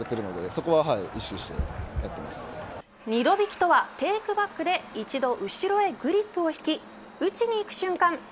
２度引きとは、テイクバックで一度後ろへグリップを引き打ちに行く瞬間